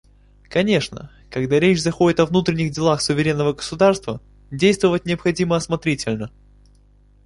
Конечно, когда речь заходит о внутренних делах суверенного государства, действовать необходимо осмотрительно.